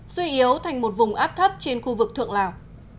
suy yếu thành một vùng áp thấp trên khu vực thượng lào